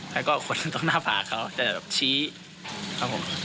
แล้วก็คนตรงหน้าผากเขาจะแบบชี้ครับผม